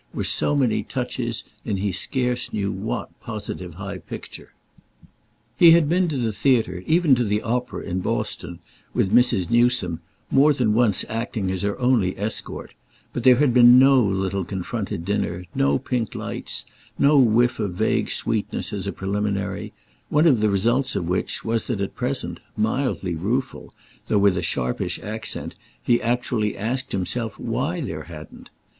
—were so many touches in he scarce knew what positive high picture. He had been to the theatre, even to the opera, in Boston, with Mrs. Newsome, more than once acting as her only escort; but there had been no little confronted dinner, no pink lights, no whiff of vague sweetness, as a preliminary: one of the results of which was that at present, mildly rueful, though with a sharpish accent, he actually asked himself why there hadn't.